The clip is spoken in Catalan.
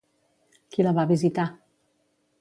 Qui la va visitar?